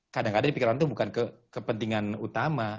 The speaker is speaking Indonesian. kadang kadang pikiran itu bukan kepentingan utama